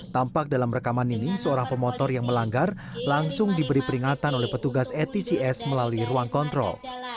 tampak dalam rekaman ini seorang pemotor yang melanggar langsung diberi peringatan oleh petugas atcs melalui ruang kontrol